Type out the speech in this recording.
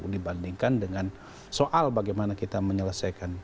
dibandingkan dengan soal bagaimana kita menyelesaikan